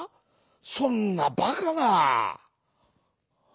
そんなバカな」。